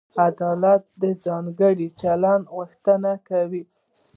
عدالت د ځانګړي چلند غوښتنه کوي.